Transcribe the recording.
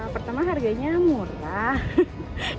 pertama harganya murah